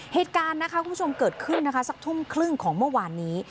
เหตุการณ์เกิดขึ้นสักทุ่มครึ่งของเมื่อวานนี้